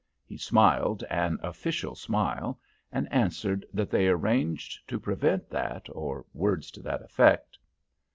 He smiled an official smile, and answered that they arranged to prevent that, or words to that effect.